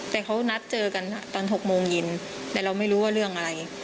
แต่เขานัดเจอกันตอน๖โมงเย็นแต่เราไม่รู้ว่าเรื่องอะไร